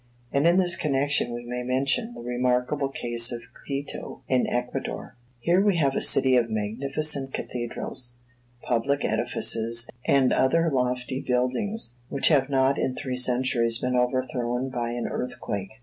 And in this connection we may mention the remarkable case of Quito, in Ecuador. Here we have a city of magnificent cathedrals, public edifices, and other lofty buildings, which have not in three centuries been overthrown by an earthquake.